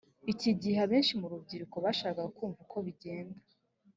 iki gihe abenshi mu rubyiruko bashaka kumva uko bigenda